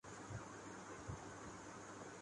راحیل شریف صاحب کی عزت نوازشریف صاحب کی عزت ہے۔